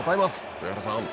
上原さん。